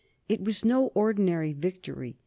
It was no ordinary victory.